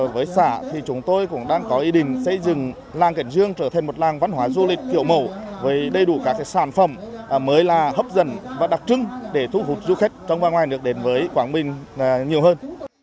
với xã thì chúng tôi cũng đang có ý định xây dựng làng cảnh dương trở thành một làng văn hóa du lịch kiểu mẫu với đầy đủ các sản phẩm mới là hấp dẫn và đặc trưng để thu hút du khách trong và ngoài nước đến với quảng bình nhiều hơn